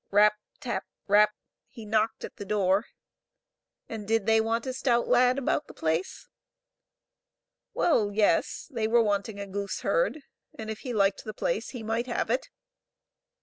Rap ! tap ! rap !— he knocked at the door, and did they want a stout lad about the place? Well, yes ; they were wanting a gooseherd, and if he liked the place he might have it.